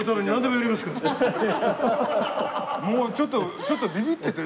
もうちょっとちょっとビビってて。